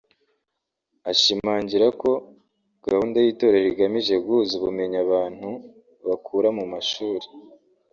ashimangira ko gahunda y’Itorero igamije guhuza ubumenyi abantu bakura mu mashuri